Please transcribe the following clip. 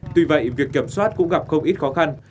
tuy vậy việc kiểm soát cũng gặp không ít khó khăn